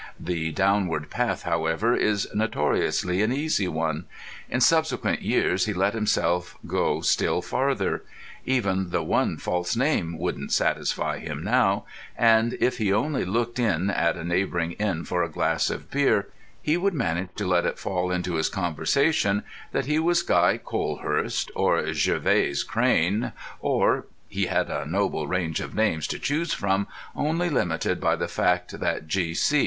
The downward path, however, is notoriously an easy one. In subsequent years he let himself go still farther. Even the one false name wouldn't satisfy him now; and if he only looked in at a neighbouring inn for a glass of beer, he would manage to let it fall into his conversation that he was Guy Colehurst or Gervase Crane or—he had a noble range of names to choose from, only limited by the fact that "G.C."